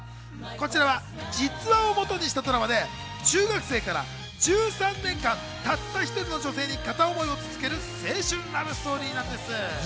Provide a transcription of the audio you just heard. こちらは実話を基にしたドラマで中学生から１３年間、たった１人の女性に片思いを続ける青春ラブストーリーなんです。